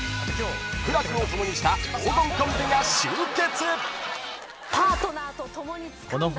［苦楽を共にした黄金コンビが集結］